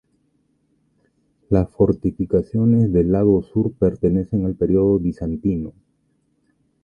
Las fortificaciones del lado sur pertenecen al período bizantino.